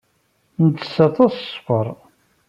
Nettess atay s sskeṛ.